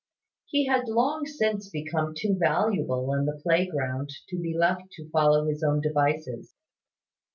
He had long since become too valuable in the playground to be left to follow his own devices.